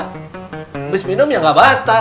habis minum ya nggak batal